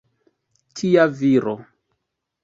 Kia viro!